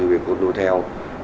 về hôn đô theo